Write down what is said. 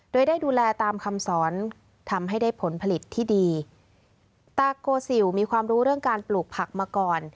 โดยได้ดูแลตามคำสอนทำให้ได้ผลผลิตที่ดีตาโกซิลมีความรู้เรื่องการปลูกผักมาก่อน